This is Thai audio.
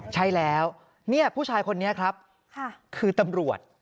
ใช่แล้วเนี่ยผู้ชายคนนี้ครับคือตำรวจ